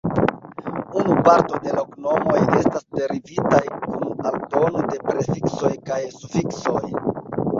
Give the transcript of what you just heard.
Unu parto de loknomoj estas derivitaj kun aldono de prefiksoj kaj sufiksoj.